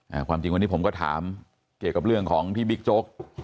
ความจริงวันนี้ผมก็ถามเกี่ยวกับเรื่องของที่บิ๊กโจ๊ก